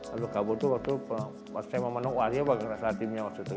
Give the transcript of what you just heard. abdul qabo itu waktu saya memanung warinya bagi rasa timnya waktu itu